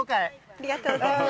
ありがとうございます。